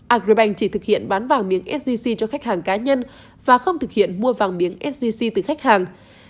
agribank chỉ thực hiện bán vàng miếng sgc cho khách hàng cá nhân và không thực hiện mua vàng miếng sgc từ khách hàng